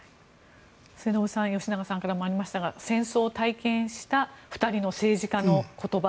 末延さん吉永さんからもありましたが戦争を体験した２人の政治家の言葉